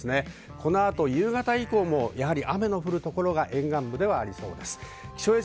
この後、夕方以降も雨の降る所が沿岸部ではありそうです。